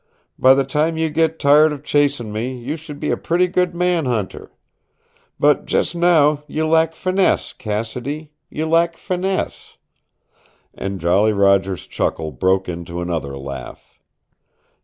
By the time you get tired of chasing me you should be a pretty good man hunter. But just now you lack finesse, Cassidy you lack finesse." And Jolly Roger's chuckle broke into another laugh.